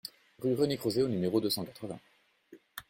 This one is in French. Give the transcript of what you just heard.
Rue René Crozet au numéro deux cent quatre-vingts